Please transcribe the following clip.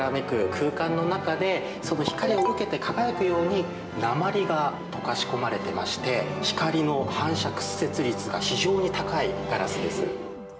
空間の中でその光を受けて輝くように鉛が溶かし込まれてまして光の反射・屈折率が非常に高いガラスです。